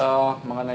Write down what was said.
sanksi mengenai sanksi